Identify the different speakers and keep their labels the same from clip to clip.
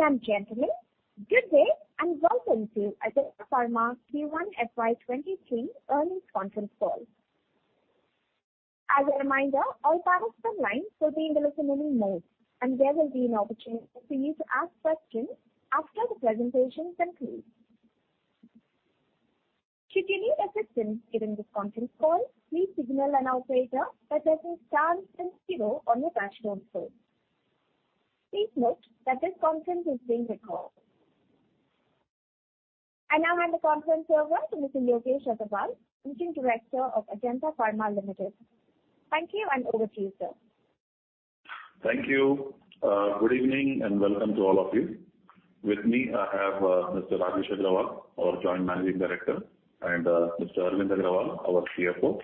Speaker 1: Ladies and gentlemen, good day, and welcome to Ajanta Pharma Q1 FY23 Earnings Conference Call. As a reminder, all participants' lines will be in listen-only mode, and there will be an opportunity for you to ask questions after the presentation concludes. Should you need assistance during this conference call, please signal an operator by pressing star then zero on your touchtone phone. Please note that this conference is being recorded. I now hand the conference over to Mr. Yogesh Agrawal, Managing Director of Ajanta Pharma Limited. Thank you, and over to you, sir.
Speaker 2: Thank you. Good evening, and welcome to all of you. With me, I have Mr. Rajesh Agrawal, our Joint Managing Director, and Mr. Arvind Agrawal, our CFO.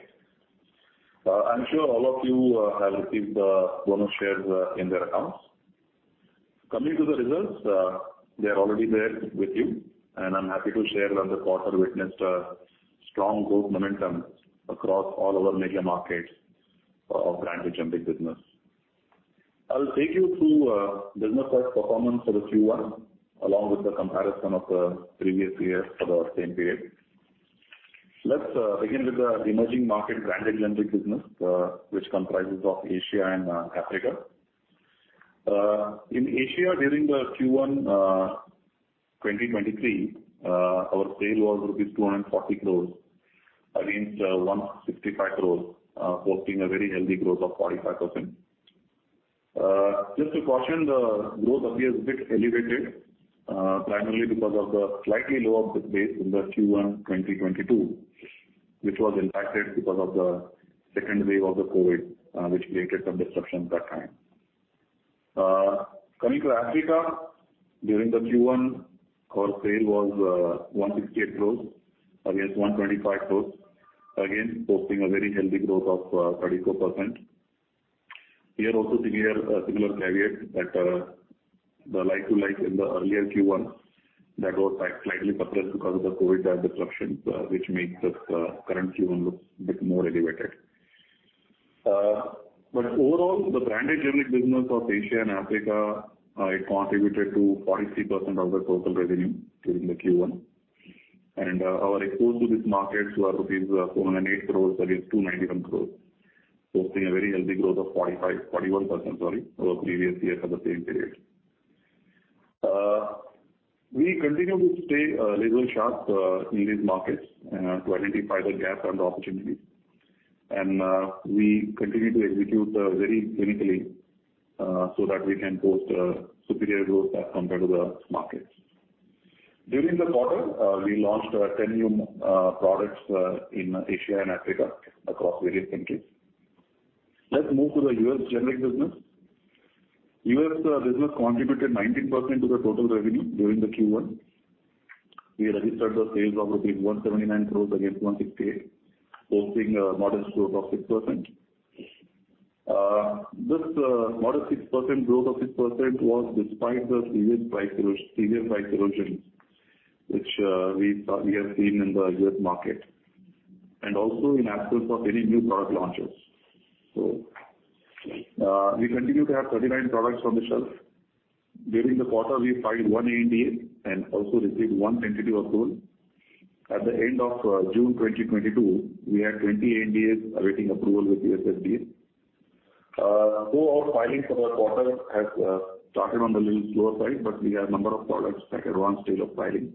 Speaker 2: I'm sure all of you have received the bonus shares in their accounts. Coming to the results, they are already there with you, and I'm happy to share that the quarter witnessed a strong growth momentum across all our major markets of branded generic business. I'll take you through business wise performance for the Q1, along with the comparison of previous years for the same period. Let's begin with the emerging market branded generic business, which comprises of Asia and Africa. In Asia, during the Q1 2023, our sale was rupees 240 crores against 165 crores, posting a very healthy growth of 45%. Just to caution, the growth appears a bit elevated, primarily because of the slightly lower base in the Q1 2022, which was impacted because of the second wave of the COVID, which created some disruptions that time. Coming to Africa, during the Q1, our sale was 168 crores against 125 crores, again, posting a very healthy growth of 32%. Here also similar caveat that the like-to-like in the earlier Q1 that was slightly suppressed because of the COVID disruptions, which makes this current Q1 look a bit more elevated. Overall, the branded generic business of Asia and Africa. It contributed to 43% of the total revenue during the Q1. Our exposure to these markets were rupees 408 crores against 291 crores, posting a very healthy growth of 41%, sorry, over previous year for the same period. We continue to stay razor sharp in these markets to identify the gaps and the opportunities. We continue to execute very clinically so that we can post superior growth as compared to the markets. During the quarter, we launched 10 new products in Asia and Africa across various countries. Let's move to the U.S. generic business. U.S. business contributed 19% to the total revenue during the Q1. We registered the sales of rupees 179 crore against 168, posting a modest growth of 6%. This modest 6% growth was despite the previous severe price erosion, which we have seen in the U.S. market, and also in absence of any new product launches. We continue to have 39 products on the shelf. During the quarter, we filed one ANDA and also received one tentative approval. At the end of June 2022, we had 20 ANDAs awaiting approval with the FDA. Our filings for the quarter has started on the little slower side, but we have number of products at advanced stage of filing.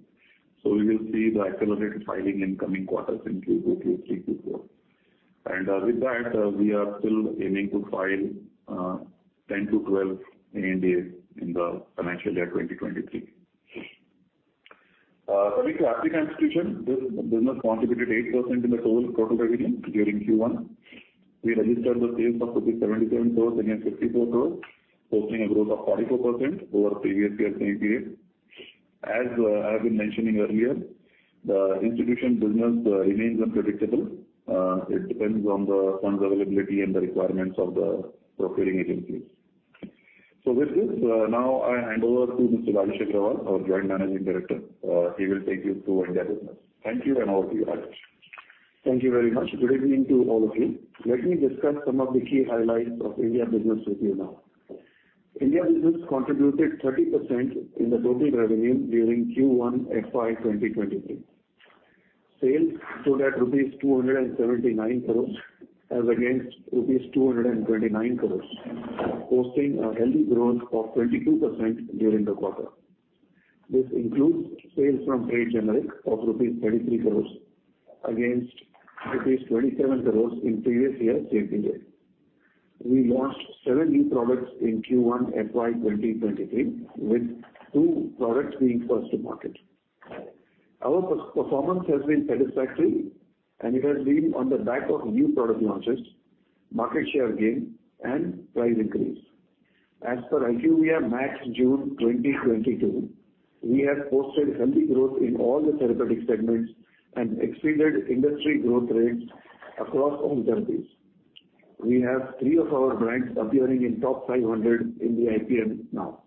Speaker 2: We will see the accelerated filing in coming quarters in Q2, Q3, Q4. With that, we are still aiming to file 10-12 ANDAs in the financial year 2023. Coming to African institution, this business contributed 8% in the total revenue during Q1. We registered the sales of rupees 77 crores against 54 crores, posting a growth of 44% over previous year same period. As I have been mentioning earlier, the institution business remains unpredictable. It depends on the funds availability and the requirements of the procuring agencies. With this, now I hand over to Mr. Rajesh Agrawal, our Joint Managing Director. He will take you through India business. Thank you, and over to you, Rajesh.
Speaker 3: Thank you very much. Good evening to all of you. Let me discuss some of the key highlights of India business with you now. India business contributed 30% in the total revenue during Q1 FY 2023. Sales stood at rupees 279 crores as against rupees 229 crores, posting a healthy growth of 22% during the quarter. This includes sales from trade generic of rupees 23 crores against rupees 27 crores in previous year same period. We launched seven new products in Q1 FY 2023, with two products being first to market. Our performance has been satisfactory, and it has been on the back of new product launches, market share gain, and price increase. As per IQVIA MAT June 2022, we have posted healthy growth in all the therapeutic segments and exceeded industry growth rates across all therapies. We have three of our brands appearing in top 500 in the IPM now.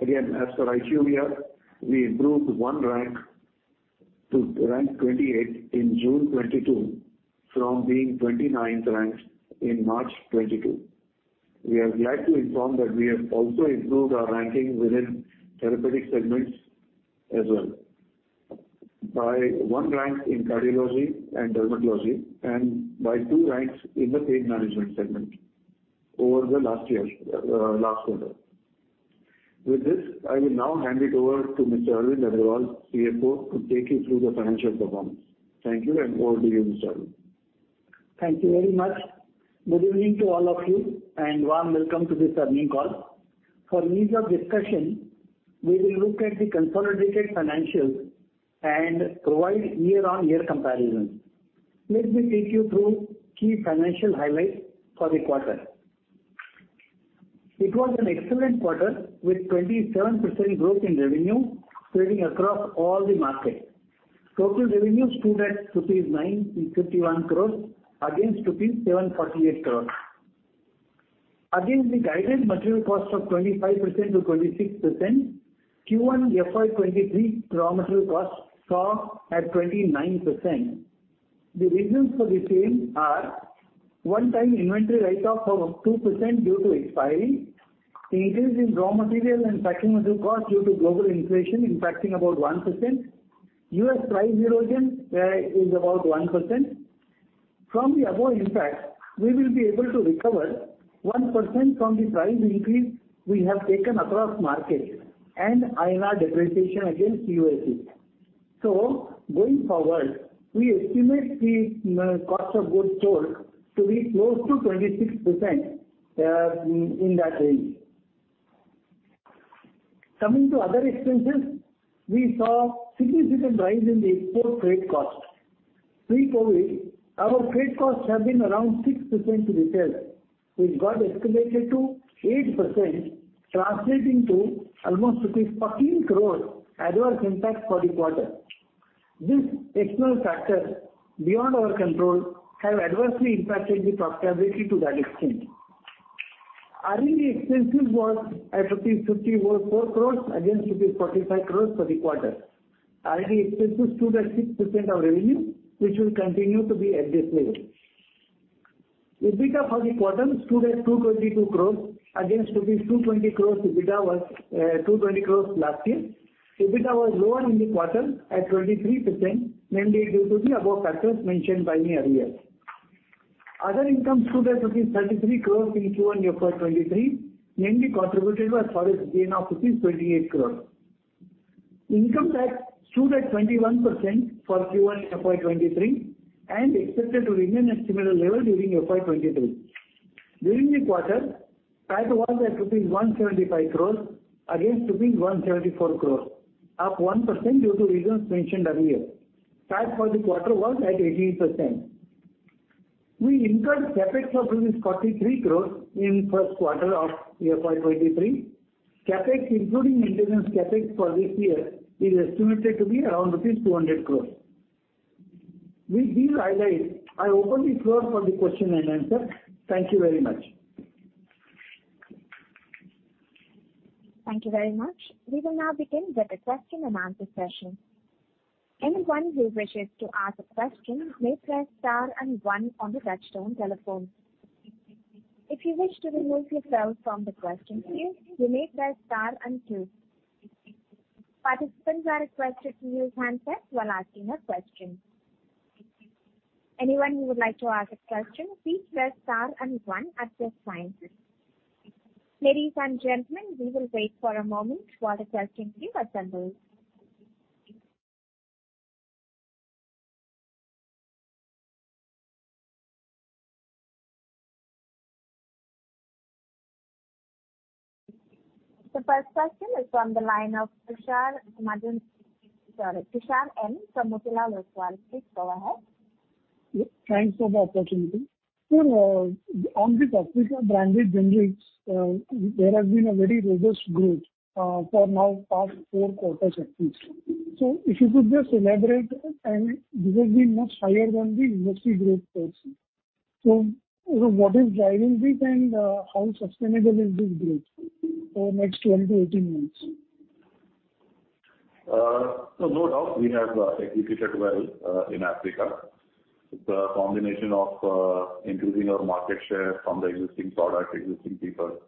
Speaker 3: Again, as per IQVIA, we improved one rank. To rank 28 in June 2022, from being 29th ranked in March 2022. We are glad to inform that we have also improved our ranking within therapeutic segments as well, by one rank in cardiology and dermatology and by two ranks in the pain management segment over the last year, last quarter. With this, I will now hand it over to Mr. Arvind Agrawal, CFO, to take you through the financial performance. Thank you, and over to you, Mr. Arvind.
Speaker 4: Thank you very much. Good evening to all of you, and warm welcome to this earnings call. For ease of discussion, we will look at the consolidated financials and provide year-on-year comparison. Let me take you through key financial highlights for the quarter. It was an excellent quarter with 27% growth in revenue spreading across all the markets. Total revenue stood at rupees 951 crores against rupees 748 crores. Against the guided material cost of 25%-26%, Q1 FY 2023 raw material cost stood at 29%. The reasons for the same are one-time inventory write-off of 2% due to expiry, increase in raw material and packing material cost due to global inflation impacting about 1%, U.S. price erosion is about 1%. From the above impact, we will be able to recover 1% from the price increase we have taken across markets and INR depreciation against USD. Going forward, we estimate the cost of goods sold to be close to 26%, in that range. Coming to other expenses, we saw significant rise in the export freight cost. Pre-COVID, our freight costs have been around 6% retail, which got escalated to 8%, translating to almost rupees 14 crore adverse impact for the quarter. This external factor beyond our control have adversely impacted the profitability to that extent. R&D expenses was at rupees 54 crore against rupees 45 crore for the quarter. R&D expenses stood at 6% of revenue, which will continue to be at this level. EBITDA for the quarter stood at 222 crore against 220 crore last year. EBITDA was lower in the quarter at 23%, mainly due to the above factors mentioned by me earlier. Other income stood at 33 crore in Q1 FY 2023, mainly contributed by foreign gain of 28 crore. Income tax stood at 21% for Q1 FY 2023 and expected to remain at similar level during FY 2023. During the quarter, cash was at rupees 175 crore against rupees 134 crore, up 1% due to reasons mentioned earlier. Cash for the quarter was at 18%. We incurred Capex of 43 crore in first quarter of FY 2023. Capex, including maintenance Capex for this year, is estimated to be around rupees 200 crore. With these highlights, I open the floor for the question and answer. Thank you very much.
Speaker 1: Thank you very much. We will now begin with the question and answer session. Anyone who wishes to ask a question may press star and one on the touchtone telephone. If you wish to remove yourself from the question queue, you may press star and two. Participants are requested to use handsets while asking a question. Anyone who would like to ask a question, please press star and one at this time. Ladies and gentlemen, we will wait for a moment while the telephone queue assembles. The first question is from the line of Tushar Manudhane from Motilal Oswal. Please go ahead.
Speaker 5: Thanks for the opportunity. Sir, on the topic of branded generics, there has been a very robust growth for the past four quarters at least. If you could just elaborate, and this has been much higher than the industry growth rates. What is driving this, and how sustainable is this growth for the next 12-18 months?
Speaker 2: No doubt we have executed well in Africa. The combination of increasing our market share from the existing product, existing people,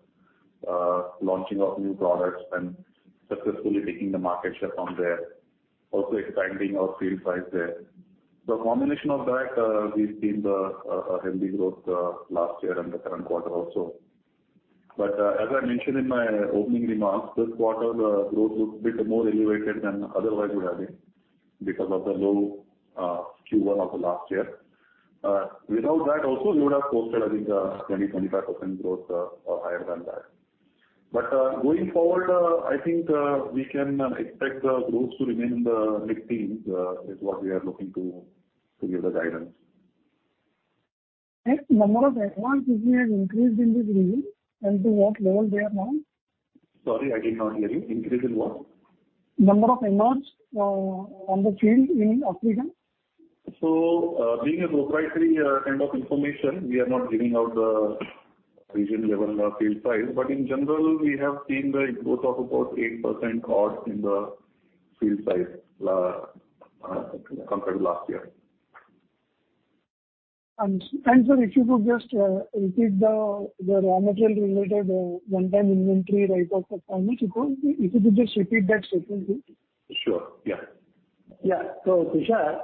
Speaker 2: launching of new products and successfully taking the market share from there, also expanding our field size there. The combination of that, we've seen a healthy growth last year and the current quarter also. As I mentioned in my opening remarks, this quarter the growth looks a bit more elevated than otherwise would have been because of the low Q1 of the last year. Without that also we would have posted I think 25% growth higher than that. Going forward I think we can expect the growth to remain in the mid-teens is what we are looking to give the guidance.
Speaker 5: Number of MRs which we have increased in the region, and to what level they are now?
Speaker 2: Sorry, I did not hear you. Increase in what?
Speaker 5: Number of MRs on the field in Africa.
Speaker 2: Being a proprietary kind of information, we are not giving out the region level or field size. In general, we have seen the growth of about 8% odd in the field size compared to last year.
Speaker 5: Sir, if you could just repeat the raw material related one-time inventory write-off of signage. If you could just repeat that statement, please.
Speaker 2: Sure, yeah.
Speaker 4: Tushar,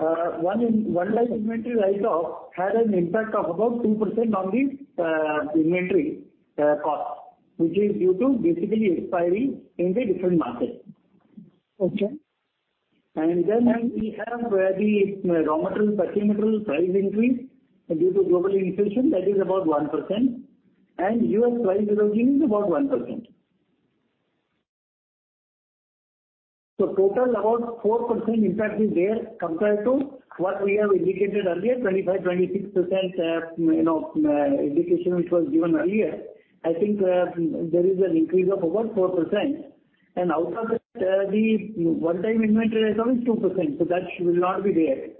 Speaker 4: one-time inventory write-off had an impact of about 2% on the inventory cost, which is due to basically expiry in the different markets.
Speaker 5: Okay.
Speaker 4: We have the raw material petrochemical price increase due to global inflation that is about 1%, and U.S. price reduction is about 1%. Total about 4% impact is there compared to what we have indicated earlier, 25%-26%, you know, indication which was given earlier. I think there is an increase of about 4%. Out of that, the one-time inventory write-off is 2%, so that will not be there.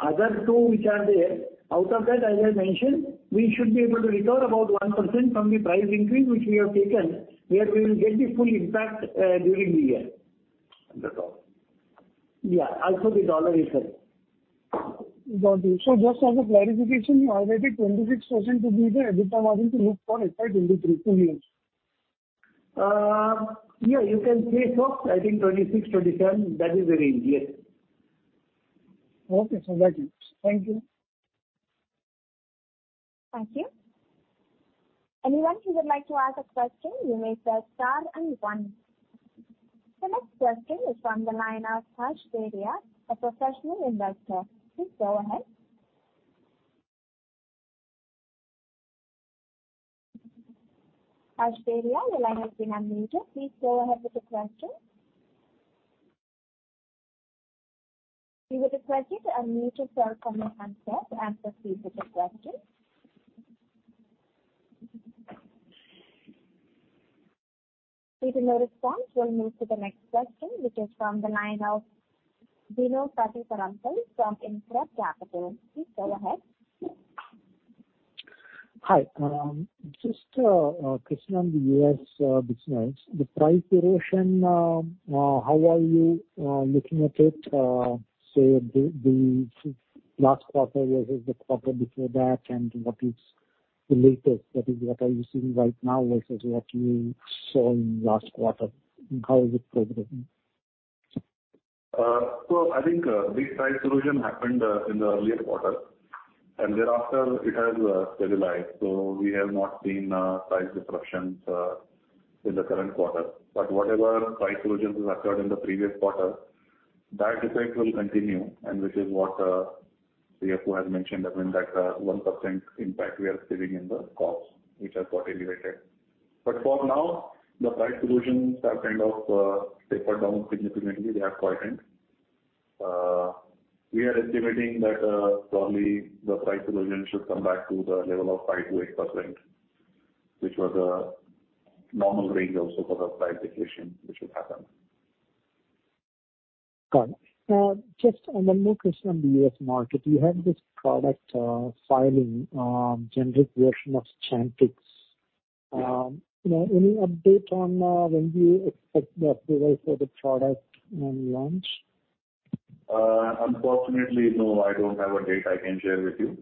Speaker 4: Other two which are there, out of that, as I mentioned, we should be able to recover about 1% from the price increase which we have taken, where we will get the full impact during the year.
Speaker 2: That's all.
Speaker 4: Yeah. Also the dollar effect.
Speaker 5: Got you. Just as a clarification, you are getting 26% to be the EBITDA margin to look for FY 2023, two years?
Speaker 4: Yeah, you can say so. I think 26, 27, that is the range. Yes.
Speaker 5: Okay. Got you. Thank you.
Speaker 1: Thank you. Anyone who would like to ask a question, you may press star and one. The next question is from the line of Harsh Beria, a Professional Investor. Please go ahead. Harsh Beria, your line has been unmuted. Please go ahead with the question. We would request you to unmute yourself from the handset and proceed with the question. Seeing no response, we'll move to the next question, which is from the line of Vinod Pathikaram from InCred Capital. Please go ahead.
Speaker 6: Hi. Just a question on the U.S. business. The price erosion, how are you looking at it? Say the last quarter versus the quarter before that and what is the latest? That is, what are you seeing right now versus what you saw in last quarter? How is it progressing?
Speaker 2: I think the price erosion happened in the earlier quarter, and thereafter it has stabilized. We have not seen price disruptions in the current quarter. Whatever price erosion has occurred in the previous quarter, that effect will continue, and which is what Yogesh Agrawal has mentioned, I mean, that 1% impact we are saving in the costs, which has got elevated. For now, the price erosions have kind of tapered down significantly. They have quietened. We are estimating that probably the price erosion should come back to the level of 5%-8%, which was a normal range also for the price deflation which would happen.
Speaker 6: Got it. Just another question on the U.S. market. You have this product filing, generic version of Chantix. You know, any update on when do you expect the approval for the product and launch?
Speaker 2: Unfortunately, no, I don't have a date I can share with you.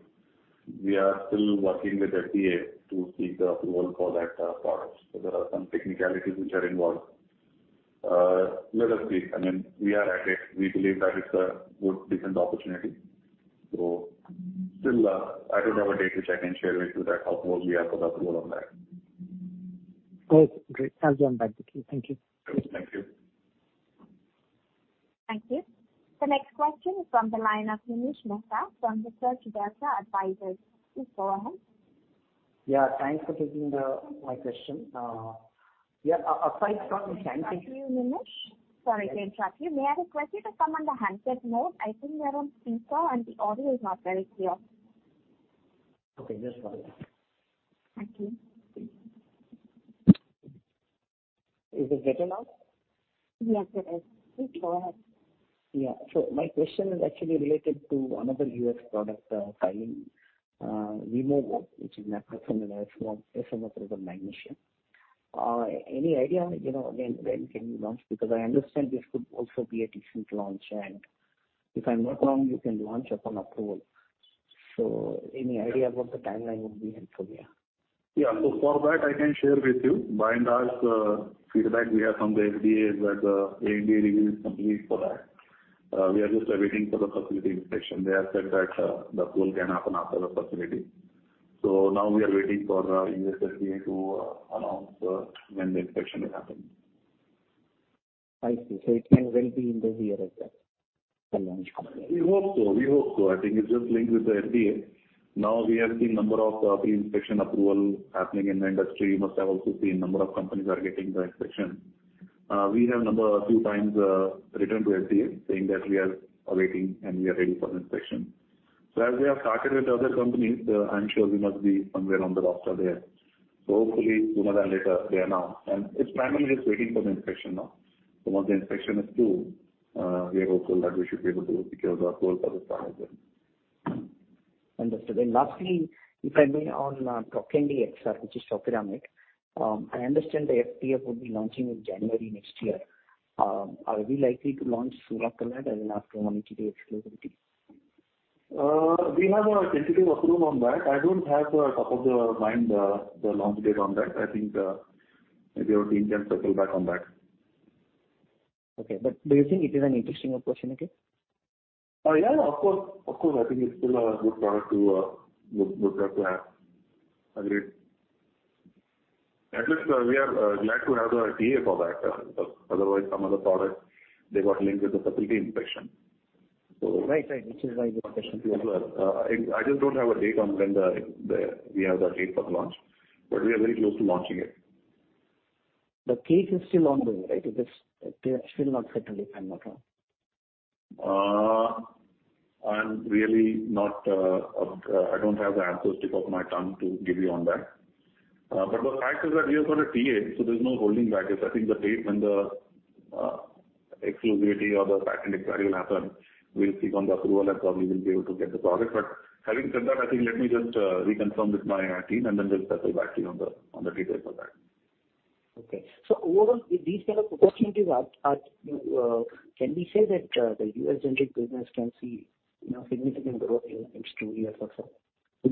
Speaker 2: We are still working with FDA to seek the approval for that product. There are some technicalities which are involved. Let us see. I mean, we are at it. We believe that it's a good, decent opportunity. Still, I don't have a date which I can share with you that how close we are for the approval of that.
Speaker 6: Okay, great. I'll join back with you. Thank you.
Speaker 2: Thank you.
Speaker 1: Thank you. The next question is from the line of Nimish Mehta from Research Delta Advisors. Please go ahead.
Speaker 7: Yeah, thanks for taking my question. Yeah. Aside from Chantix-
Speaker 1: Sorry to interrupt you, Nimish. Sorry to interrupt you. May I request you to come on the handset mode? I think you are on speaker and the audio is not very clear.
Speaker 7: Okay, just one minute.
Speaker 1: Thank you.
Speaker 7: Is it better now?
Speaker 1: Yes, it is. Please go ahead.
Speaker 7: Yeah. My question is actually related to another U.S. product filing, Revlimid, which is macrocyclines for smoldering multiple myeloma. Any idea, you know, again, when can you launch? Because I understand this could also be a decent launch. If I'm not wrong, you can launch upon approval. Any idea about the timeline would be helpful, yeah.
Speaker 2: Yeah, for that, I can share with you. The feedback we have from the FDA is that the ANDA review is complete for that. We are just waiting for the facility inspection. They have said that the approval can happen after the facility. Now we are waiting for the U.S. FDA to announce when the inspection will happen.
Speaker 7: I see. It can well be in the year as well, the launch probably.
Speaker 2: We hope so. We hope so. I think it's just linked with the FDA. Now we have seen number of pre-approval inspections happening in the industry. You must have also seen number of companies are getting the inspection. We have written a few times to FDA saying that we are awaiting and we are ready for the inspection. As we have started with other companies, I'm sure we must be somewhere on the roster there. Hopefully sooner than later they are now. It's primarily just waiting for the inspection now. Once the inspection is through, we are hopeful that we should be able to secure the approval for this product then.
Speaker 7: Understood. Lastly, if I may, on Trokendi XR, which is Topiramate, I understand the FPF will be launching in January next year. Are we likely to launch Sulindac as an off-patent exclusivity?
Speaker 2: We have a tentative approval on that. I don't have it top of mind, the launch date on that. I think, maybe our team can circle back on that.
Speaker 7: Okay. Do you think it is an interesting opportunity?
Speaker 2: Yeah, of course. Of course, I think it's still a good product to have. I mean, at least, we are glad to have the TA for that, because otherwise some other products, they got linked with the facility inspection.
Speaker 7: Right. Which is why the question came up.
Speaker 2: I just don't have a date on when we have the date of launch, but we are very close to launching it.
Speaker 7: The case is still ongoing, right? It is still not settled, if I'm not wrong.
Speaker 2: I'm really not, I don't have the answer at the tip of my tongue to give you on that. The fact is that we have got a TA, so there's no holding back. It's I think the date when the exclusivity or the patent expiry will happen, we'll seek the approval and probably will be able to get the product. Having said that, I think let me just reconfirm with my team, and then they'll circle back to you on the details of that.
Speaker 7: Okay. Overall, with these kind of opportunities, can we say that the U.S. generic business can see, you know, significant growth in next two years or so?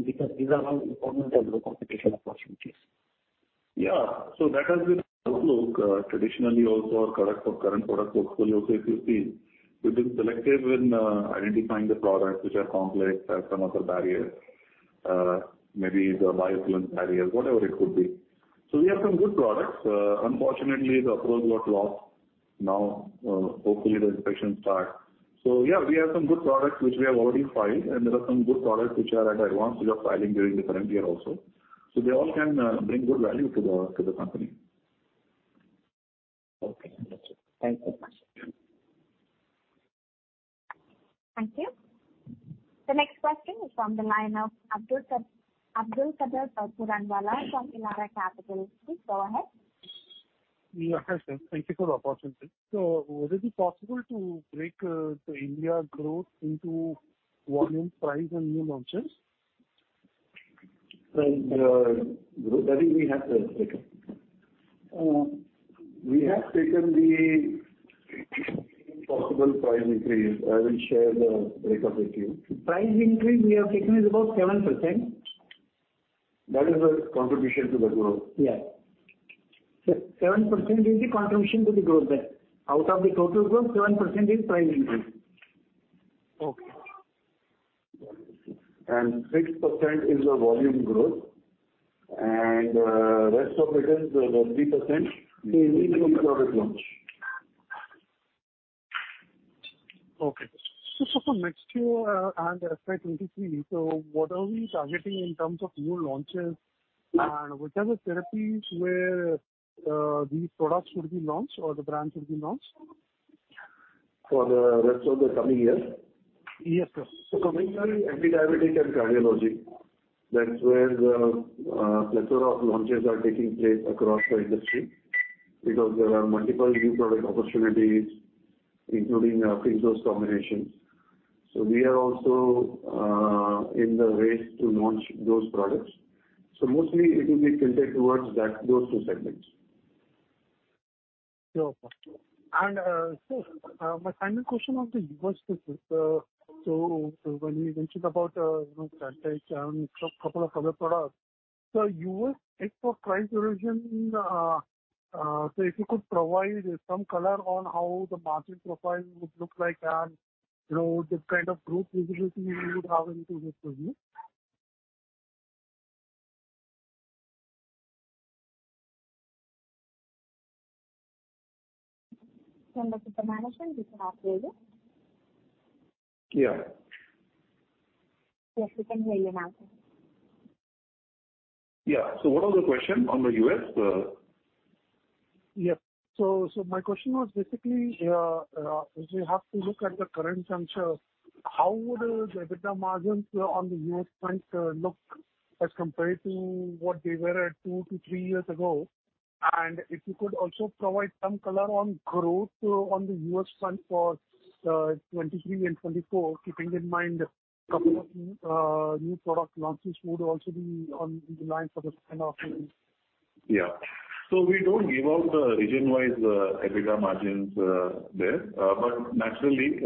Speaker 7: Because these are all important and low competition opportunities.
Speaker 2: Yeah. That has been the outlook. Traditionally also our product for current product portfolio, if you see, we've been selective in identifying the products which are complex, have some of the barriers, maybe the bioequivalent barriers, whatever it could be. We have some good products. Unfortunately, the approvals got lost. Now, hopefully the inspection starts. Yeah, we have some good products which we have already filed, and there are some good products which are at the advanced stage of filing during the current year also. They all can bring good value to the company.
Speaker 7: Okay. Understood. Thanks so much.
Speaker 1: Thank you. The next question is from the line of Abdulkader Puranwala from Elara Capital. Please go ahead.
Speaker 8: Yeah. Hi, sir. Thank you for the opportunity. Would it be possible to break the India growth into volume, price, and new launches?
Speaker 2: that is, we have taken. We have taken the possible price increase. I will share the breakup with you.
Speaker 3: Price increase we have taken is about 7%.
Speaker 2: That is the contribution to the growth.
Speaker 3: Yeah. 7% is the contribution to the growth there. Out of the total growth, 7% is price increase.
Speaker 8: Okay.
Speaker 2: 6% is the volume growth. Rest of it is the 3% is new product launch.
Speaker 8: Okay. For next year and FY 2023, so what are we targeting in terms of new launches? Which are the therapies where these products would be launched or the brands will be launched?
Speaker 2: For the rest of the coming year?
Speaker 8: Yes, sir.
Speaker 2: Mainly anti-diabetic and cardiology. That's where the plethora of launches are taking place across the industry because there are multiple new product opportunities, including fixed dose combinations. We are also in the race to launch those products. Mostly it will be tilted towards that, those two segments.
Speaker 8: Sure. Sir, my final question on the U.S. business. When you mentioned about, you know, Advate and couple of other products, the U.S. is for price erosion. If you could provide some color on how the margin profile would look like and, you know, the kind of growth visibility you would have into this business.
Speaker 1: Members of the management, we can now hear you.
Speaker 2: Yeah.
Speaker 1: Yes, we can hear you now.
Speaker 2: Yeah. What was the question on the U.S.?
Speaker 8: My question was basically, if you have to look at the current juncture, how would the EBITDA margins on the US front look as compared to what they were at two to three years ago? If you could also provide some color on growth on the US front for 2023 and 2024, keeping in mind couple of new product launches would also be on the line for the same offering.
Speaker 2: Yeah. We don't give out the region-wise EBITDA margins there. Naturally,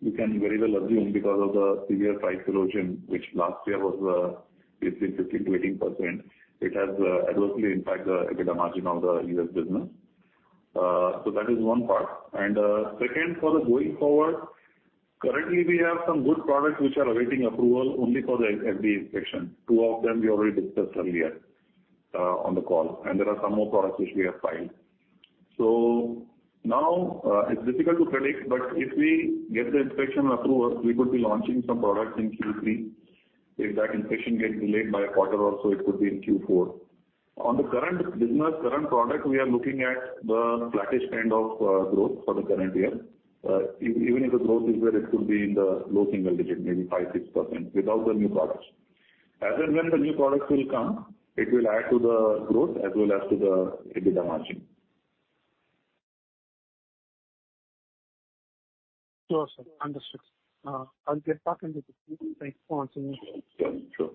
Speaker 2: you can very well assume because of the severe price erosion, which last year was between 15%-18%, it has adversely impacted the EBITDA margin of the U.S. business. That is one part. Second for the going forward, currently we have some good products which are awaiting approval only for the FDA inspection. Two of them we already discussed earlier on the call. There are some more products which we have filed. Now, it's difficult to predict, but if we get the inspection approval, we could be launching some products in Q3. If that inspection gets delayed by a quarter or so, it could be in Q4. On the current business, current product, we are looking at the flattish kind of growth for the current year. Even if the growth is there, it could be in the low single digit, maybe 5%-6% without the new products. As and when the new products will come, it will add to the growth as well as to the EBITDA margin.
Speaker 8: Sure, sir. Understood. I'll get back into the queue. Thanks for answering.
Speaker 2: Yeah, sure.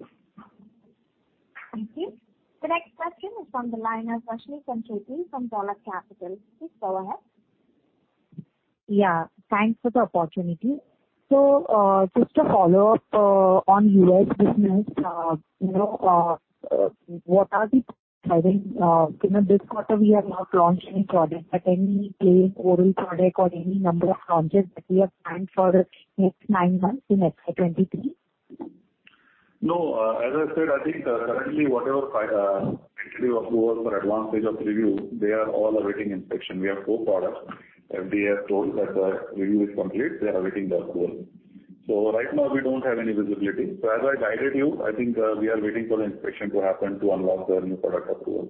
Speaker 1: Thank you. The next question is from the line of Ashwin Panchsheti from Bella Capital. Please go ahead.
Speaker 9: Yeah. Thanks for the opportunity. Just a follow-up on U.S. business. You know, what are the, you know, this quarter we have not launched any product, but any planned oral product or any number of launches that we have planned for next nine months in FY 2023?
Speaker 2: No. As I said, I think, currently whatever actually was approved for advanced stage of review, they are all awaiting inspection. We have four products. FDA has told that the review is complete. They are awaiting their approval. Right now we don't have any visibility. As I guided you, I think, we are waiting for the inspection to happen to unlock the new product approvals.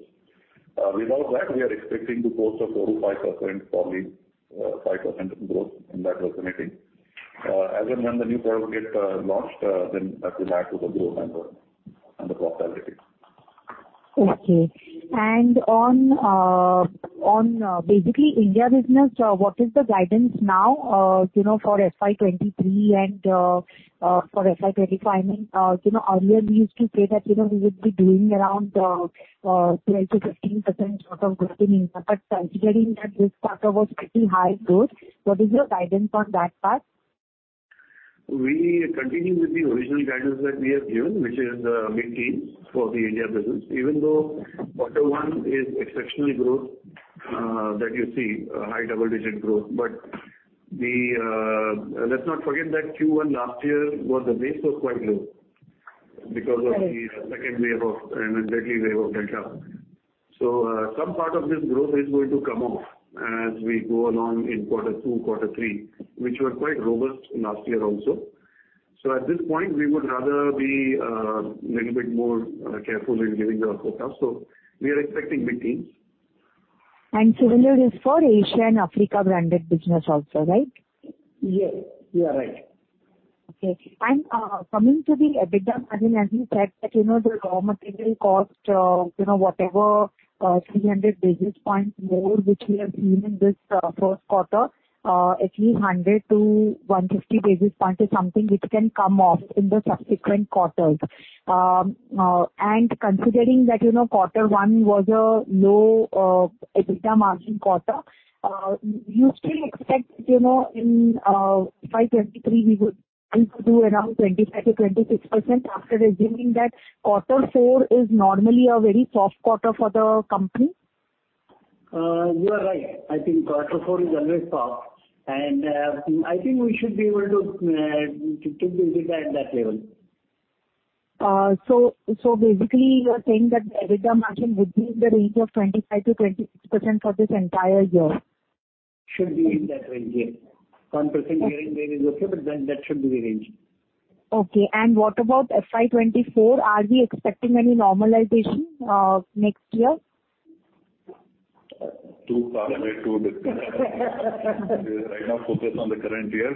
Speaker 2: Without that, we are expecting close to 4%-5%, probably 5% growth in that proximity. As and when the new products get launched, then that will add to the growth number and the profitability.
Speaker 9: Okay. On basically India business, what is the guidance now, you know, for FY 2023 and for FY 2025? I mean, you know, earlier we used to say that, you know, we would be doing around 12%-15% sort of growth in India, but considering that this quarter was pretty high growth, what is your guidance on that part?
Speaker 2: We continue with the original guidance that we have given, which is the mid-teens for the India business. Even though quarter one is exceptional growth that you see, high double digit growth. Let's not forget that Q1 last year the base was quite low because of the second wave and deadly wave of Delta. Some part of this growth is going to come off as we go along in quarter two, quarter three, which were quite robust last year also. At this point, we would rather be little bit more careful in giving our forecast. We are expecting mid-teens.
Speaker 9: Similar is for Asia and Africa branded business also, right?
Speaker 2: Yes. You are right.
Speaker 9: Okay. Coming to the EBITDA margin, as you said, that, you know, the raw material cost, you know, whatever, 300 basis points more, which we have seen in this, first quarter, at least 100 to 150 basis points is something which can come off in the subsequent quarters. Considering that, you know, quarter one was a low, EBITDA margin quarter, you still expect, you know, in, FY 2023, we would do around 25%-26% after assuming that quarter four is normally a very soft quarter for the company?
Speaker 4: You are right. I think quarter four is always soft, and I think we should be able to to EBITDA at that level.
Speaker 9: Basically you're saying that the EBITDA margin would be in the range of 25%-26% for this entire year?
Speaker 4: Should be in that range, yes. 1% varying there is okay, but then that should be the range.
Speaker 9: Okay. What about FY 2024? Are we expecting any normalization, next year?
Speaker 2: Too far away to discuss. We are right now focused on the current year.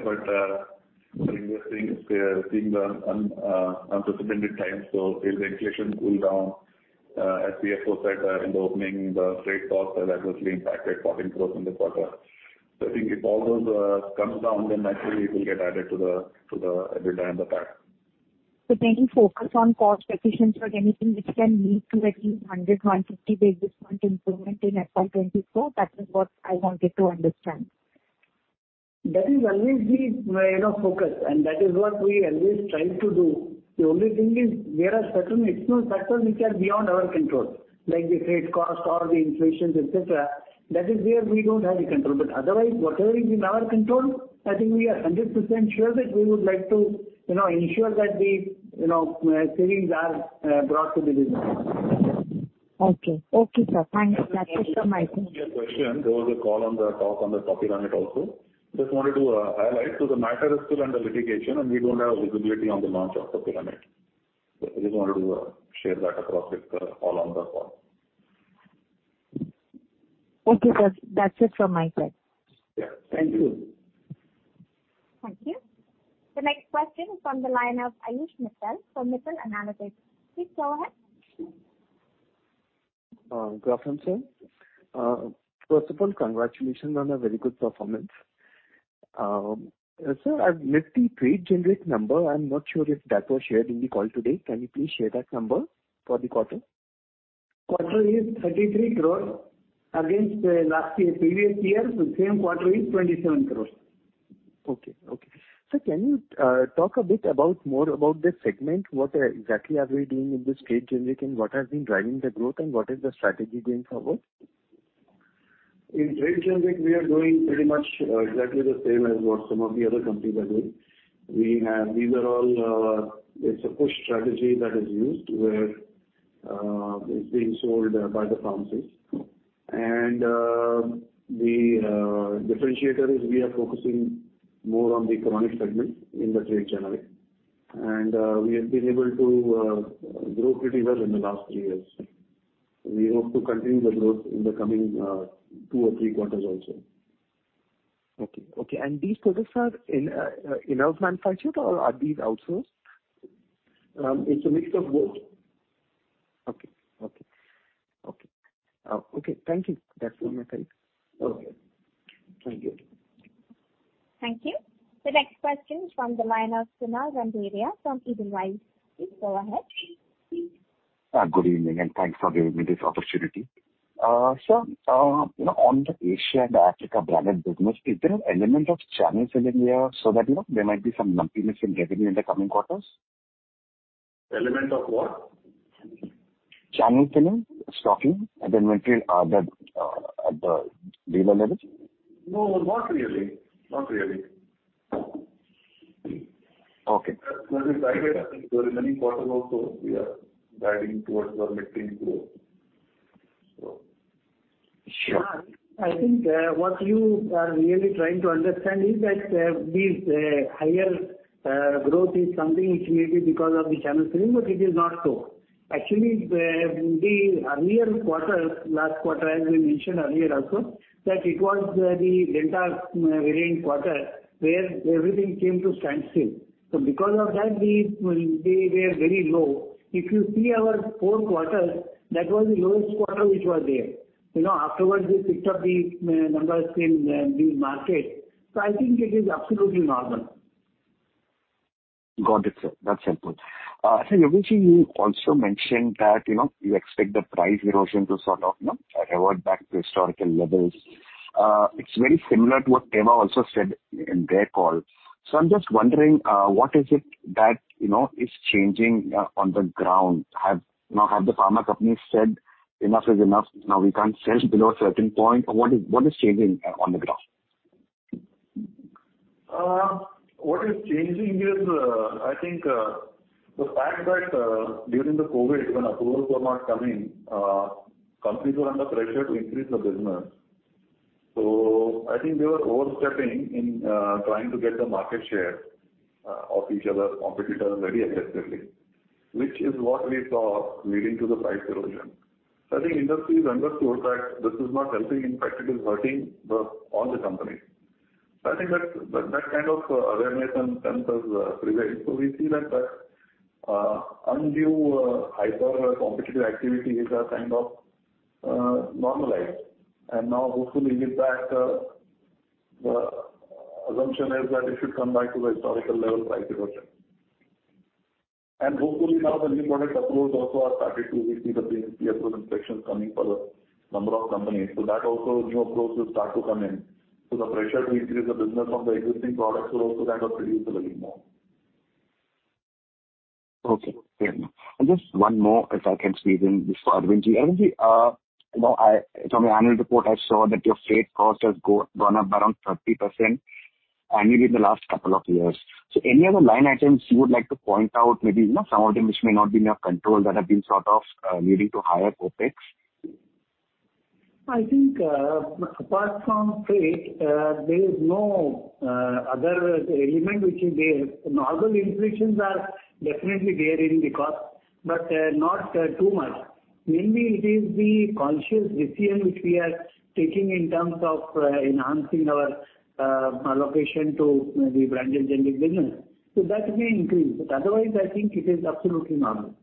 Speaker 2: We are investing, seeing the unprecedented times. If the inflation cool down, as we also said in the opening, the freight costs that was being impacted, foreign growth in the quarter. I think if all those comes down, then naturally it will get added to the EBITDA and the PAT.
Speaker 9: Mainly focus on cost efficiency, anything which can lead to at least 100-150 basis point improvement in FY 2024. That is what I wanted to understand.
Speaker 2: That is always the, you know, focus, and that is what we always try to do. The only thing is there are certain external factors which are beyond our control, like the freight costs or the inflation, et cetera. That is where we don't have a control. Otherwise, whatever is in our control, I think we are 100% sure that we would like to, you know, ensure that the, you know, savings are brought to the business.
Speaker 9: Okay. Okay, sir. Thanks. That's just from my side.
Speaker 2: There was a question. There was a call on the topic on the Topiramate also. Just wanted to highlight. The matter is still under litigation, and we don't have visibility on the launch of Topiramate. I just wanted to share that across with all on the call.
Speaker 9: Okay, sir. That's it from my side.
Speaker 2: Yeah. Thank you.
Speaker 1: Thank you. The next question is from the line of Ayush Mittal from Mittal Analytics. Please go ahead.
Speaker 10: Good afternoon, sir. First of all, congratulations on a very good performance. Sir, I missed the trade generic number. I'm not sure if that was shared in the call today. Can you please share that number for the quarter?
Speaker 4: Quarter is 33 crore against last year, previous year, the same quarter is 27 crore.
Speaker 10: Okay. Sir, can you talk a bit more about this segment? What exactly are we doing in this trade generic and what has been driving the growth and what is the strategy going forward?
Speaker 2: In trade generic we are doing pretty much exactly the same as what some of the other companies are doing. These are all. It's a push strategy that is used where is being sold by the pharmacies. The differentiator is we are focusing more on the chronic segment in the trade generic. We have been able to grow pretty well in the last three years. We hope to continue the growth in the coming two or three quarters also.
Speaker 10: Okay. These products are in-house manufactured or are these outsourced?
Speaker 2: It's a mix of both.
Speaker 10: Okay. Thank you. That's all my time.
Speaker 2: Okay. Thank you.
Speaker 1: Thank you. The next question is from the line of Sonal Randeria from Edelweiss. Please go ahead.
Speaker 11: Good evening, and thanks for giving me this opportunity. You know, on the Asia and Africa branded business, is there an element of channel filling here so that, you know, there might be some lumpiness in revenue in the coming quarters?
Speaker 2: Element of what?
Speaker 11: Channel filling, stocking and inventory at the dealer level.
Speaker 2: No, not really. Not really.
Speaker 11: Okay.
Speaker 2: There is high data. There is many quarter also we are guiding towards our mid-teen growth, so.
Speaker 4: Sonal, I think what you are really trying to understand is that this higher growth is something which may be because of the channel filling, but it is not so. Actually, the earlier quarter, last quarter, as we mentioned earlier also, that it was the Delta variant quarter where everything came to standstill. Because of that, we are very low. If you see our four quarters, that was the lowest quarter which was there. You know, afterwards we picked up the numbers in the market. I think it is absolutely normal.
Speaker 11: Got it, sir. That's helpful. I think, Arvindji, you also mentioned that, you know, you expect the price erosion to sort of, you know, revert back to historical levels. It's very similar to what Teva also said in their call. I'm just wondering, what is it that, you know, is changing on the ground? You know, have the pharma companies said enough is enough, now we can't sell below a certain point? What is changing on the ground?
Speaker 2: What is changing is, I think, the fact that, during the COVID, when approvals were not coming, companies were under pressure to increase the business. I think they were overstepping in, trying to get the market share, of each other competitors very aggressively, which is what we saw leading to the price erosion. I think industry has understood that this is not helping. In fact, it is hurting all the companies. I think that kind of awareness and sense has prevailed. We see that undue hyper competitive activity is kind of normalized. Now hopefully with that, the assumption is that it should come back to the historical level price erosion. Hopefully now the new product approvals also are started to, we see the PMCF approval inspections coming for the number of companies. That also new approvals will start to come in. The pressure to increase the business of the existing products will also kind of reduce a little more.
Speaker 11: Okay. Fair enough. Just one more, if I can squeeze in before Arvindji. Arvindji, you know, I, from the annual report I saw that your freight cost has gone up around 30% annually in the last couple of years. So any other line items you would like to point out, maybe, you know, some of them which may not be in your control that have been sort of leading to higher Opex?
Speaker 4: I think, apart from freight, there is no other element which is there. Normal inflation is definitely there in the cost, but not too much. Mainly it is the conscious decision which we are taking in terms of enhancing our allocation to the branded generic business. That may increase. Otherwise, I think it is absolutely normal.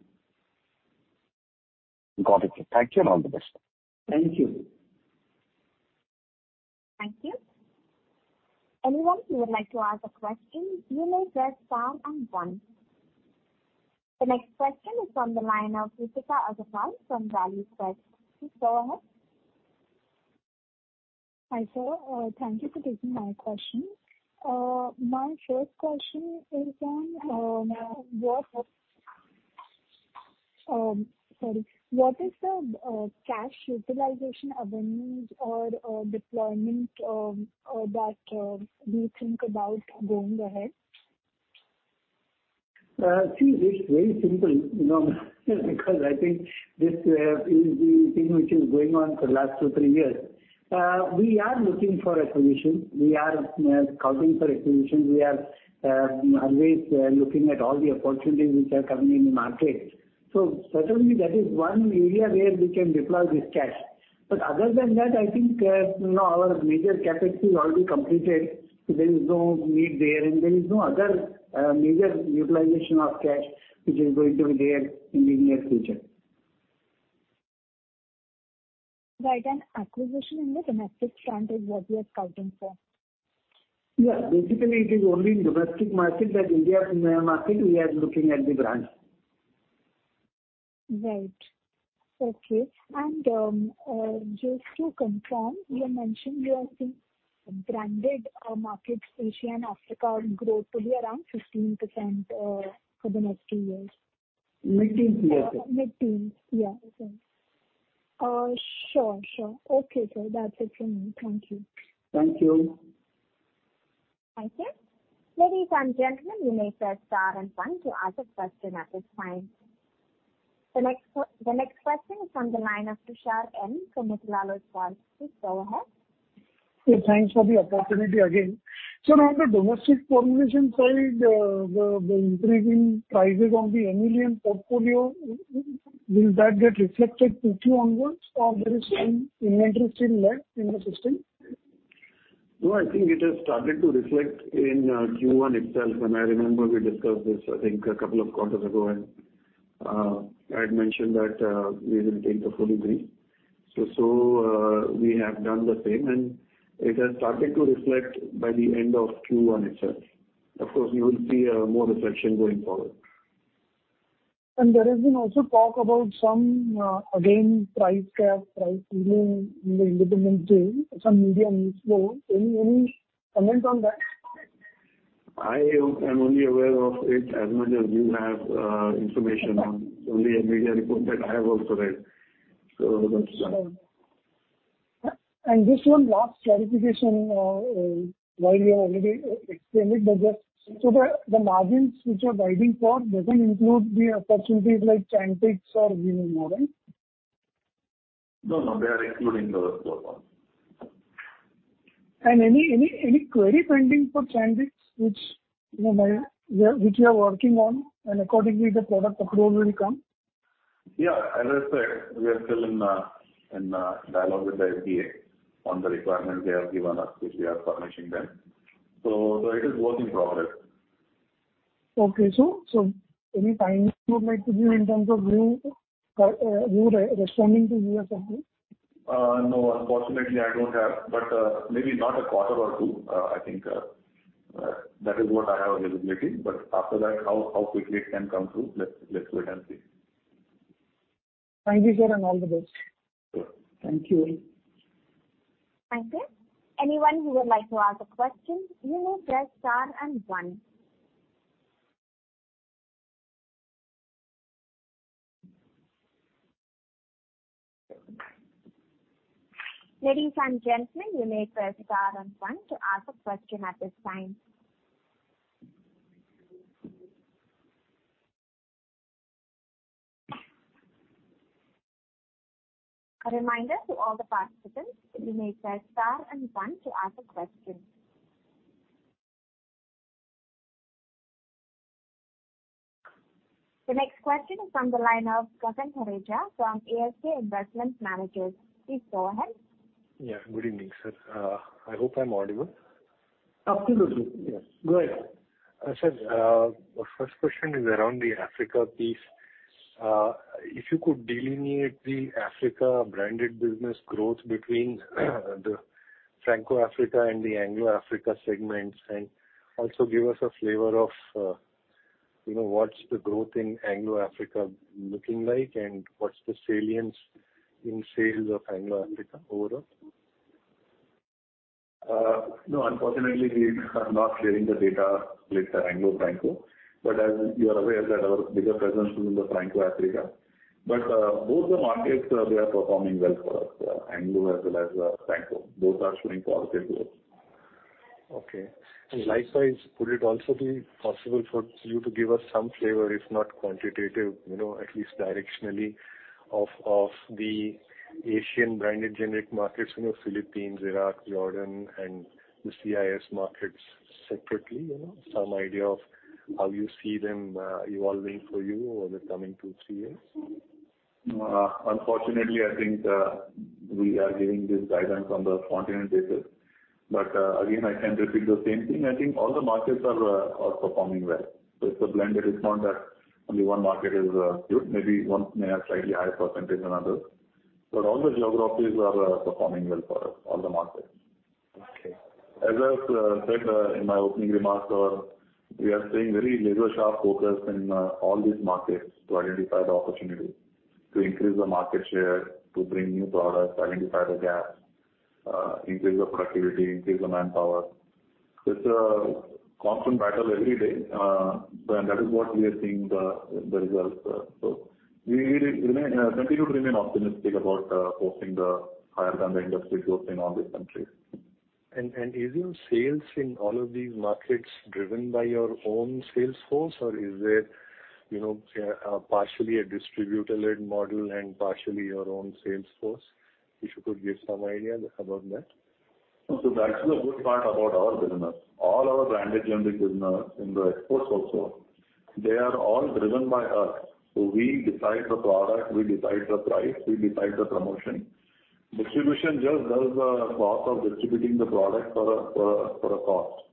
Speaker 11: Got it, sir. Thank you, and all the best.
Speaker 4: Thank you.
Speaker 1: Thank you. Anyone who would like to ask a question, you may press star and one. The next question is from the line of Richa Agarwal from Value Research. Please go ahead.
Speaker 12: Hi, sir. Thank you for taking my question. My first question is on what is the cash utilization avenues or deployment that you think about going ahead?
Speaker 4: See, it's very simple, you know, because I think this is the thing which is going on for the last two to three years. We are looking for acquisitions. We are scouting for acquisitions. We are always looking at all the opportunities which are coming in the market. Certainly that is one area where we can deploy this cash. Other than that, I think, you know, our major Capex is already completed. There is no need there, and there is no other major utilization of cash which is going to be there in the near future.
Speaker 12: Right. Acquisition in the domestic front is what we are scouting for?
Speaker 4: Yeah. Basically, it is only in the domestic market, the India market we are looking at the brands.
Speaker 12: Right. Okay. Just to confirm, you have mentioned you are seeing branded markets, Asia and Africa growth to be around 15%, for the next few years.
Speaker 4: Mid-teens we are saying.
Speaker 12: Mid-teens. Yeah. Okay. Sure, sure. Okay, sir, that's it from me. Thank you.
Speaker 4: Thank you.
Speaker 1: Thank you. Ladies and gentlemen, you may press star and one to ask a question at this time. The next question is from the line of Tushar Manudhane from Motilal Oswal. Please go ahead.
Speaker 5: Okay, thanks for the opportunity again. Now on the domestic formulation side, the increasing prices on the animal portfolio, will that get reflected Q2 onwards, or there is some inventory still left in the system?
Speaker 2: No, I think it has started to reflect in Q1 itself, and I remember we discussed this. I think a couple of quarters ago, and I had mentioned that we will take the full degree. We have done the same and it has started to reflect by the end of Q1 itself. Of course, you will see more reflection going forward.
Speaker 5: There has been also talk about some, again, price cap, price ceiling in the independent chain, some media news flow. Any comment on that?
Speaker 2: I am only aware of it as much as you have information on it. It's only a media report that I have also read. Don't understand.
Speaker 5: This one last clarification, while you have already explained it, but just so the margins which you are guiding for doesn't include the opportunities like Chantix or Revlimid?
Speaker 2: No, no, they are included in those four points.
Speaker 5: Any query pending for Chantix which, you know, we are working on and accordingly the product approval will come?
Speaker 2: Yeah. As I said, we are still in dialogue with the FDA on the requirements they have given us, which we are furnishing them. It is work in progress.
Speaker 5: Okay, sir. Any timing you would like to give in terms of you responding to U.S. company?
Speaker 2: No, unfortunately I don't have. Maybe not a quarter or two, I think, that is what I have visibility. After that, how quickly it can come through, let's wait and see.
Speaker 5: Thank you, sir, and all the best.
Speaker 2: Sure. Thank you.
Speaker 1: Thank you. Anyone who would like to ask a question, you may press star and one. Ladies and gentlemen, you may press star and one to ask a question at this time. A reminder to all the participants, you may press star and one to ask a question. The next question is from the line of Gaurav Hireja from ASK Investment Managers. Please go ahead.
Speaker 13: Yeah, good evening, sir. I hope I'm audible.
Speaker 2: Absolutely. Yes. Go ahead.
Speaker 13: Sir, the first question is around the Africa piece. If you could delineate the Africa branded business growth between the Franco Africa and the Anglo Africa segments, and also give us a flavor of, you know, what's the growth in Anglo Africa looking like and what's the salience in sales of Anglo Africa overall?
Speaker 2: No, unfortunately we are not sharing the data split, Anglo, Franco, but as you are aware that our bigger presence is in the Franco Africa. Both the markets, they are performing well for us, Anglo as well as, Franco. Both are showing positive growth.
Speaker 13: Okay. Likewise, would it also be possible for you to give us some flavor, if not quantitative, you know, at least directionally of the Asian branded generic markets? You know, Philippines, Iraq, Jordan and the CIS markets separately. You know, some idea of how you see them evolving for you over the coming two to three years.
Speaker 2: Unfortunately, I think we are giving this guidance on the consolidated basis, but again, I can repeat the same thing. I think all the markets are performing well. It's a blend. It is not that only one market is good. Maybe one may have slightly higher percentage than others, but all the geographies are performing well for us, all the markets.
Speaker 13: Okay.
Speaker 2: As I've said in my opening remarks, we are staying very laser sharp focused in all these markets to identify the opportunity to increase the market share, to bring new products, identify the gaps, increase the productivity, increase the manpower. It's a constant battle every day. That is what we are seeing the results. We remain, continue to remain optimistic about posting the higher than the industry growth in all these countries.
Speaker 13: Is your sales in all of these markets driven by your own sales force, or is it, you know, partially a distributor-led model and partially your own sales force? If you could give some idea about that.
Speaker 2: That's the good part about our business. All our branded generic business in the exports also, they are all driven by us. We decide the product, we decide the price, we decide the promotion. Distribution just does the cost of distributing the product for a cost.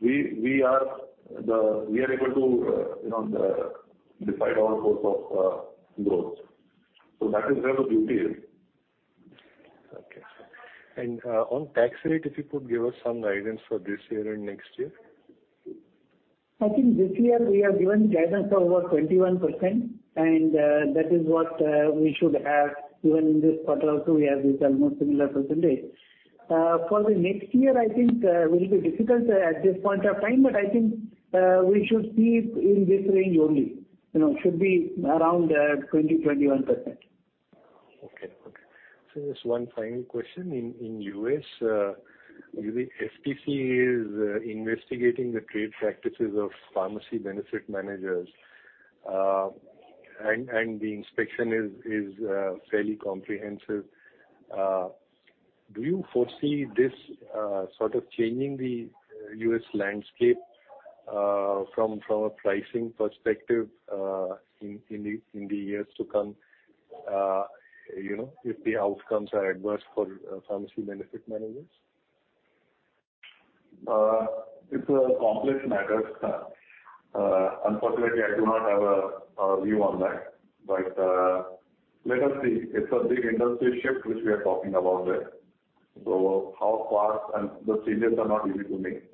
Speaker 2: We are able to decide our course of growth. That is where the beauty is.
Speaker 13: Okay. On tax rate, if you could give us some guidance for this year and next year?
Speaker 4: I think this year we have given guidance of over 21%, and that is what we should have even in this quarter also. We have reached almost similar percentage. For the next year, I think will be difficult at this point of time, but I think we should see it in this range only, you know, should be around 20%-21%.
Speaker 13: Just one final question. In the U.S., the FTC is investigating the trade practices of pharmacy benefit managers, and the inspection is fairly comprehensive. Do you foresee this sort of changing the U.S. landscape from a pricing perspective in the years to come, you know, if the outcomes are adverse for pharmacy benefit managers?
Speaker 2: It's a complex matter. Unfortunately I do not have a view on that. Let us see. It's a big industry shift which we are talking about there. How fast, and those changes are not easy to make,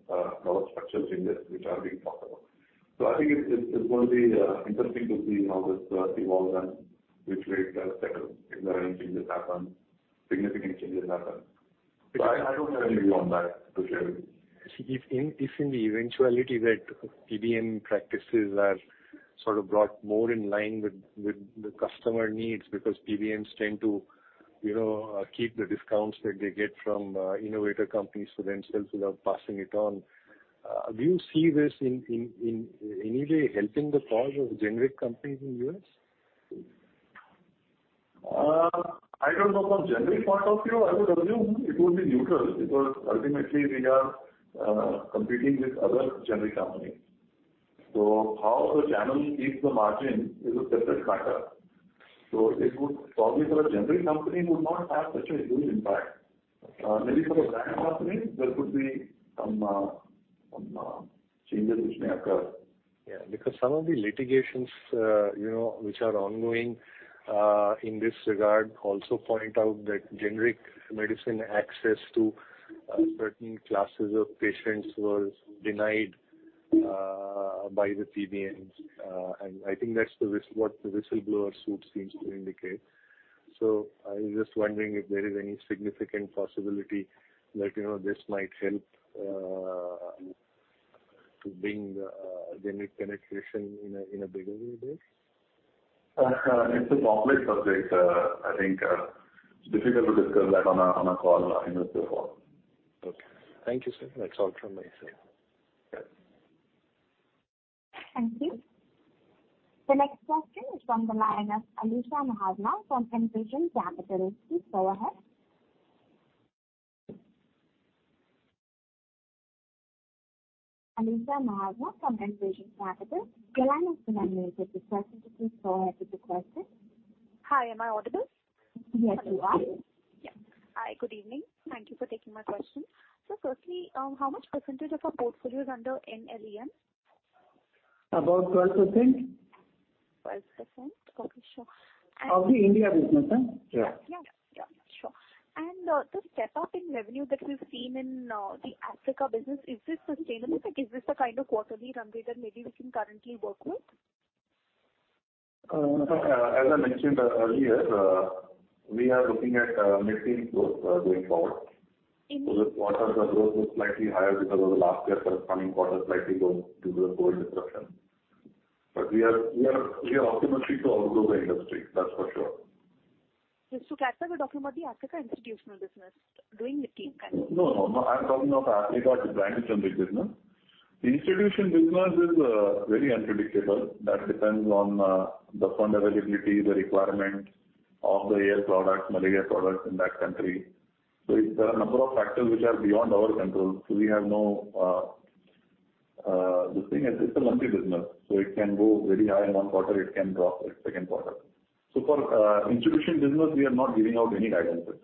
Speaker 2: those structural changes which are being talked about. I think it's going to be interesting to see how this evolves and which way it settles if there are any changes happen, significant changes happen. I don't have any view on that to share with you.
Speaker 13: If in the eventuality that PBM practices are sort of brought more in line with the customer needs because PBMs tend to, you know, keep the discounts that they get from innovator companies for themselves without passing it on, do you see this in any way helping the cause of generic companies in U.S.?
Speaker 2: I don't know. From generic point of view, I would assume it would be neutral because ultimately we are competing with other generic companies. How the channel keeps the margin is a separate matter. It would probably for a generic company would not have such a huge impact. Maybe for the brand companies there could be some changes which may occur.
Speaker 13: Yeah. Because some of the litigations, you know, which are ongoing, in this regard also point out that generic medicine access to, certain classes of patients was denied, by the PBMs. I think that's what the whistleblower suit seems to indicate. I was just wondering if there is any significant possibility that, you know, this might help, to bring, generic penetration in a, in a bigger way there.
Speaker 2: It's a complex subject. I think it's difficult to discuss that on a call, investor call.
Speaker 13: Okay. Thank you, sir. That's all from myself.
Speaker 2: Okay.
Speaker 1: Thank you. The next question is from the line of Alisha Mahawla from Envision Capital. Please go ahead. Alisha Mahawla from Envision Capital. Your line is open. You have the floor. Please go ahead with your question.
Speaker 14: Hi, am I audible?
Speaker 1: Yes, you are.
Speaker 14: Yeah. Hi, good evening. Thank you for taking my question. Firstly, how much percentage of our portfolio is under NLEM?
Speaker 4: About 12%.
Speaker 14: 12%. Okay. Sure.
Speaker 4: Of the India business. Yeah.
Speaker 14: Yeah. Sure. The step-up in revenue that we've seen in the Africa business, is this sustainable? Like, is this the kind of quarterly run rate that maybe we can currently work with?
Speaker 2: As I mentioned earlier, we are looking at mid-teen growth going forward.
Speaker 14: In-
Speaker 2: This quarter the growth was slightly higher because of the last year corresponding quarter slightly low due to the COVID disruption. We are optimistic to outgrow the industry, that's for sure.
Speaker 14: Just to clarify, we're talking about the Africa institutional business doing mid-teen kind of?
Speaker 2: No. I'm talking of Africa, the branded generics business. The institutional business is very unpredictable. That depends on the fund availability, the requirement of the AR products, malaria products in that country. There are a number of factors which are beyond our control. The thing is it's a lumpy business, so it can go very high in one quarter, it can drop the second quarter. For institutional business, we are not giving out any guidances.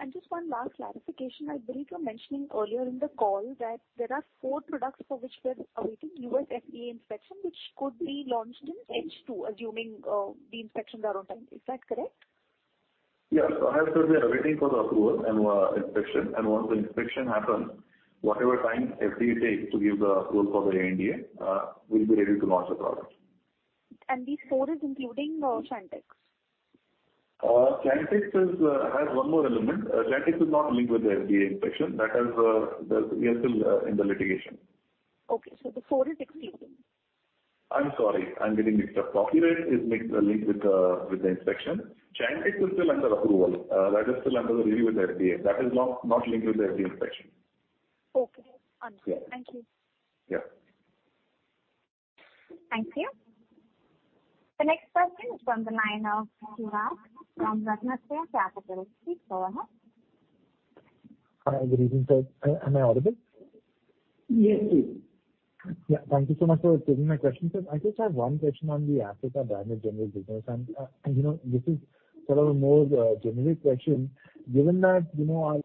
Speaker 14: Understood. Just one last clarification. I believe you were mentioning earlier in the call that there are four products for which we're awaiting U.S. FDA inspection, which could be launched in H2, assuming the inspections are on time. Is that correct?
Speaker 2: Yes. As I said, we are waiting for the approval and inspection. Once the inspection happens, whatever time FDA takes to give the approval for the ANDA, we'll be ready to launch the product.
Speaker 14: These four is including Chantix?
Speaker 2: Chantix has one more element. Chantix is not linked with the FDA inspection. We are still in the litigation.
Speaker 14: Okay. The four is excluding.
Speaker 2: I'm sorry. I'm getting mixed up. Propranolol is mislinked with the inspection. Chantix is still under approval. That is still under the review with FDA. That is not linked with the FDA inspection.
Speaker 14: Okay. Understood.
Speaker 2: Yeah.
Speaker 15: Thank you.
Speaker 2: Yeah.
Speaker 1: Thank you. The next question is from the line of Chirag from RatnaTraya Capital. Please go ahead.
Speaker 16: Hi, good evening, sir. Am I audible?
Speaker 2: Yes.
Speaker 16: Yeah. Thank you so much for taking my question, sir. I just have one question on the Africa branded generic business. You know, this is sort of a more generic question. Given that, you know,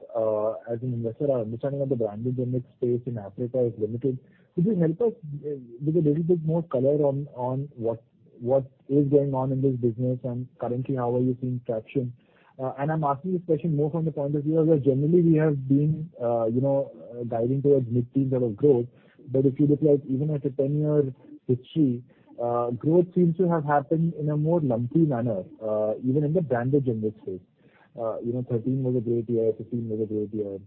Speaker 16: as an investor our understanding of the branded generic space in Africa is limited, could you help us with a little bit more color on what is going on in this business and currently how are you seeing traction? I'm asking this question more from the point of view of where generally we have been guiding towards mid-teens sort of growth. If you look like even at a 10-year history, growth seems to have happened in a more lumpy manner, even in the branded generics space. You know, 2013 was a great year, 2015 was a great year,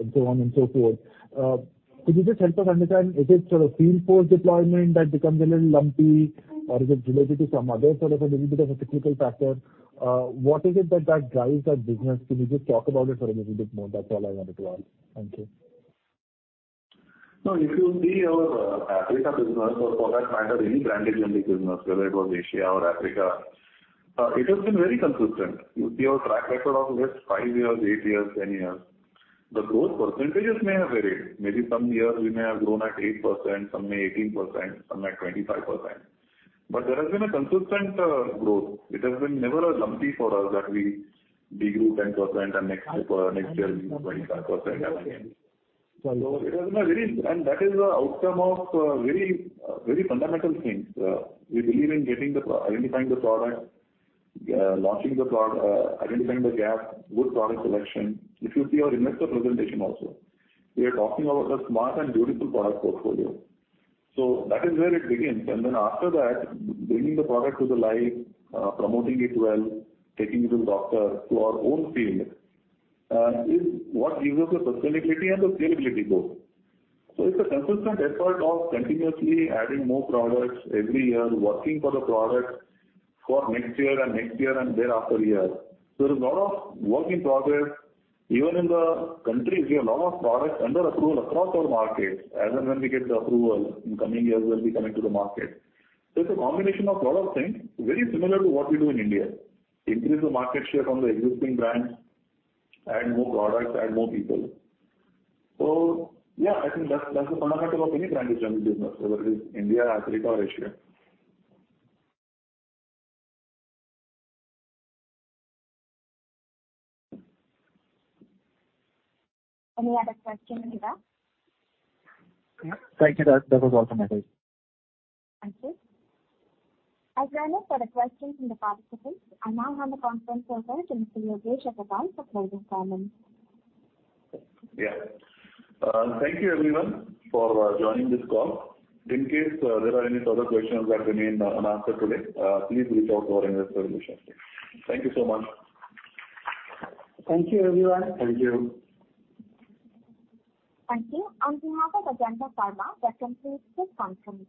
Speaker 16: and so on and so forth. Could you just help us understand, is it sort of field force deployment that becomes a little lumpy or is it related to some other sort of a little bit of a cyclical factor? What is it that drives that business? Can you just talk about it for a little bit more? That's all I wanted to ask. Thank you.
Speaker 2: No, if you see our Africa business or for that matter, any branded generic business, whether it was Asia or Africa, it has been very consistent. You see our track record of last five years, eight years, 10 years. The growth percentages may have varied. Maybe some years we may have grown at 8%, some may 18%, some at 25%. But there has been a consistent growth. It has been never lumpy for us that we de-grew 10% and next year 25%. It has been a very. That is the outcome of very, very fundamental things. We believe in identifying the product, identifying the gap, good product selection. If you see our investor presentation also, we are talking about a smart and beautiful product portfolio. That is where it begins. Then after that, bringing the product to life, promoting it well, taking it to doctor, to our own field, is what gives us the sustainability and the scalability both. It's a consistent effort of continuously adding more products every year, working for the product for next year and next year and thereafter years. There's a lot of work in progress. Even in the countries, we have a lot of products under approval across our markets. As and when we get the approval in coming years will be coming to the market. It's a combination of a lot of things, very similar to what we do in India. Increase the market share from the existing brands, add more products, add more people. Yeah, I think that's the fundamental of any branded generic business, whether it is India, Africa or Asia.
Speaker 1: Any other question, Nida?
Speaker 16: Thank you. That was all from my side.
Speaker 1: Thank you. As there are no further questions from the participants, I now hand the conference over to Mr. Yogesh Agrawal for closing comments.
Speaker 2: Yeah. Thank you everyone for joining this call. In case there are any further questions that remain unanswered today, please reach out to our investor relations team. Thank you so much.
Speaker 4: Thank you everyone.
Speaker 2: Thank you.
Speaker 1: Thank you. On behalf of Ajanta Pharma, that concludes this conference.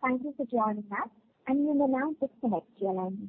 Speaker 1: Thank you for joining us, and you may now disconnect your lines.